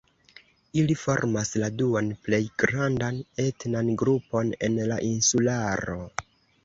Ili formas la duan plej grandan etnan grupon en la insularo.